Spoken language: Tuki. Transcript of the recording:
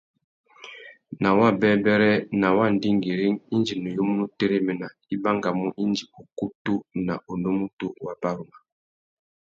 Nà wabêbêrê, nà wa ndingüîring, indi nuyumú nu téréména, i bangamú indi ukutu na unúmútú wá baruma.